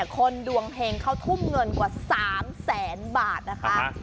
คนดวงเฮงเขาทุ่มเงินกว่า๓แสนบาทนะคะ